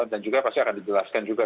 dan juga pasti akan dijelaskan juga